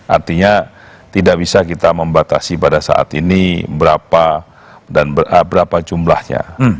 artinya tidak bisa kita membatasi pada saat ini berapa dan berapa jumlahnya